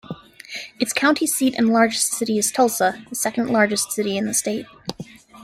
Its county seat and largest city is Tulsa, the second-largest city in the state.